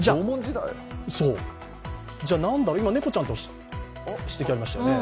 じゃあ、今、猫ちゃんという指摘がありましたよね。